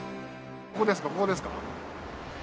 ここですかここですか？